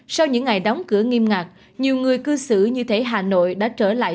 sau những ngày đóng cửa nghiêm ngặt nhiều người cư xử như thế hà nội đã trở lại